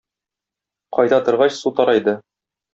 Кайта торгач, су тарайды.